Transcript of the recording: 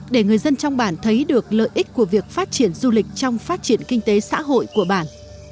để người dân trong bản thấy được lợi ích của việc phát triển du lịch trong phát triển kinh tế xã hội của bản